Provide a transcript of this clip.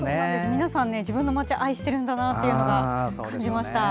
皆さん、自分の街を愛しているんだなと感じました。